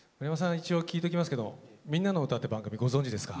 一応聞いときますけど「みんなのうた」って番組ご存じですか？